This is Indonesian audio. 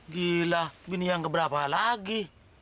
gila bini yang keberapa lagi